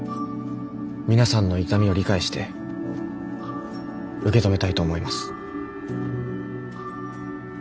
皆さんの痛みを理解して受け止めたいと思います。